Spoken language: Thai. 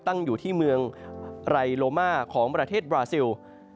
ตั้งอยู่ที่เมืองไรโลมาของประเทศบราซิล